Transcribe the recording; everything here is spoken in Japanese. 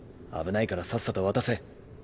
危ないからさっさと渡せ。